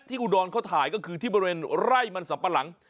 อุดรเขาถ่ายก็คือที่บริเวณไร่มันสัมปะหลัง